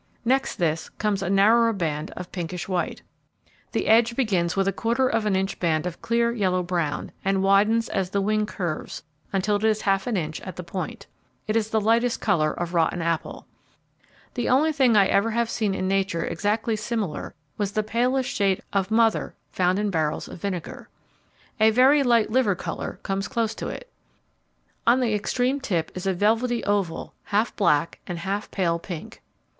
Next this comes a narrower band of pinkish white. The edge begins with a quarter of an inch band of clear yellow brown, and widens as the wing curves until it is half an inch at the point. It is the lightest colour of rotten apple. The only thing I ever have seen in nature exactly similar was the palest shade of 'mother' found in barrels of vinegar. A very light liver colour comes close it. On the extreme tip is a velvety oval, half black and half pale pink.